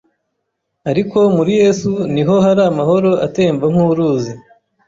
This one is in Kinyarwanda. ariko muri Yesu niho hari amahoro atemba nk’uruzi